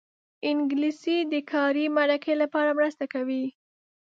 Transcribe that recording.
انګلیسي د کاري مرکې لپاره مرسته کوي